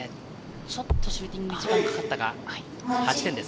ちょっとシューティングに時間がかかったか、８点。